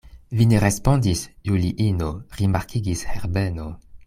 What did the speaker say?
Vi ne respondis, Juliino, rimarkigis Herbeno.